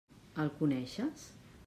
El coneixes?